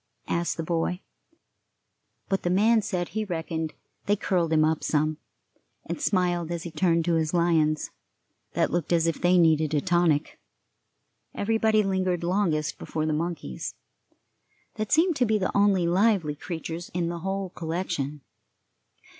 asked the boy; but the man said he reckoned they curled him up some, and smiled as he turned to his lions, that looked as if they needed a tonic. Everybody lingered longest before the monkeys, that seemed to be the only lively creatures in the whole collection....